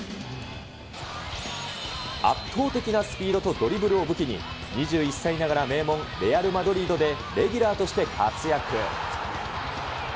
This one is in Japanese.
圧倒的なスピードとドリブルを武器に、２１歳ながら名門、レアル・マドリードでレギュラーとして活躍。